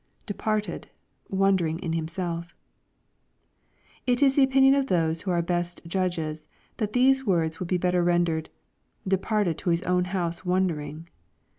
[Departed,,.w<mdering in himself.] It is the opinion of tiiose who are best judges, that these words would be better rendered, " departed to his own house wondering."